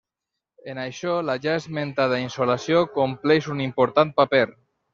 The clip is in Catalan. En això la ja esmentada insolació compleix un important paper.